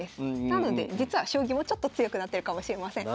なので実は将棋もちょっと強くなってるかもしれません。